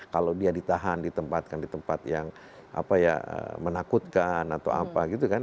kalau dia ditahan ditempatkan di tempat yang menakutkan atau apa gitu kan